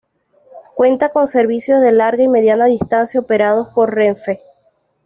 Cuenta con servicios de larga y media distancia operados por Renfe.